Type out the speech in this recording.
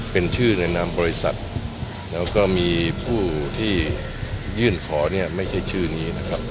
เป็นชื่อในนามบริษัทแล้วก็มีผู้ที่ยื่นขอเนี่ยไม่ใช่ชื่อนี้นะครับ